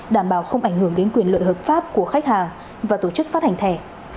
đảm bảo không ảnh hưởng đến quyền lợi hợp pháp của khách hàng và tổ chức phát hành thẻ